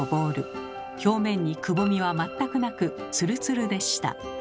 表面にくぼみは全くなくツルツルでした。